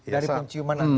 dari penciuman anda